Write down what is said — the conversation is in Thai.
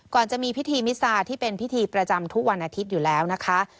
จะมีพิธีมิซาที่เป็นพิธีประจำทุกวันอาทิตย์อยู่แล้วนะคะ